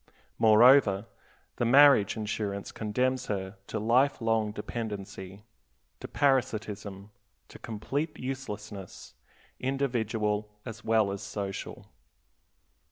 Moreover, the marriage insurance condemns her to life long dependency, to parasitism, to complete uselessness, individual as well as social.